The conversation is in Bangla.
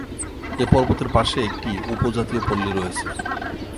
এ পর্বতের পাশে একটি উপজাতীয় পল্লী রয়েছে।